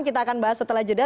kita akan bahas setelah jeda